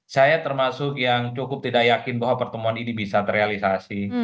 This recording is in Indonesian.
saya termasuk yang cukup tidak yakin bahwa pertemuan ini bisa terrealisasi